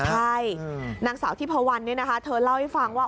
ใช่นางสาวทิพวันเนี่ยนะคะเธอเล่าให้ฟังว่า